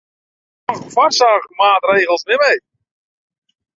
Moat ik ek noch foarsoarchmaatregels nimme?